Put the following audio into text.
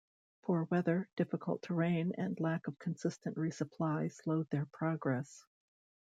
Poor weather, difficult terrain, and lack of consistent resupply slowed their progress.